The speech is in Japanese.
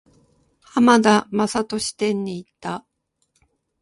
浜田雅功展に行った。